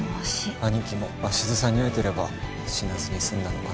兄貴も鷲津さんに会えてれば死なずに済んだのかな。